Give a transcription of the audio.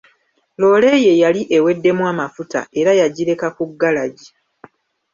Loole ye yali eweddemu amafuta era yagireka ku galagi.